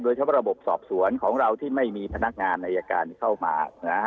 โดยระบบสอบสวนของเราที่ไม่มีพนักงานที่เข้ามา